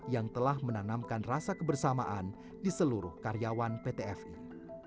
yang telah menanamkan rasa kebersamaan di seluruh karyawan pt fi